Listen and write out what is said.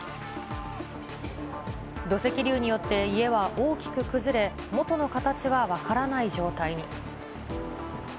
土石流によって家は大きく崩れ、元の形は分からない状態に。